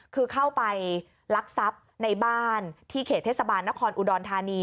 คือเข้าไปลักทรัพย์ในบ้านที่เขตเทศบาลนครอุดรธานี